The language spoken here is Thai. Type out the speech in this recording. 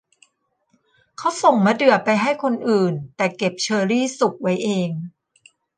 เขาส่งมะเดื่อไปให้คนอื่นแต่เก็บเชอรี่สุกไว้เอง